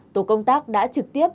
tổ công tác đã trực tiếp